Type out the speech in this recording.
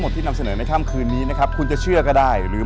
ที่นำเสนอในค่ำคืนนี้นะครับคุณจะเชื่อก็ได้หรือ